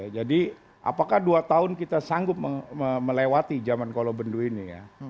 apakah dua tahun kita sanggup melewati zaman kolobendu ini ya